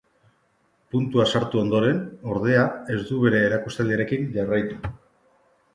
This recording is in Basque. Puntua sartu ondoren, ordea, ez du bere erakustaldiarekin jarraitu.